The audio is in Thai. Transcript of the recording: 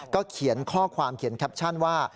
เขียนข้อความเขียนแคปชั่นว่า